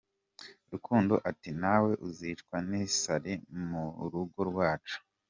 Rukundo ati: "Ntawe uzicwa n'isari mu rugo rwacu".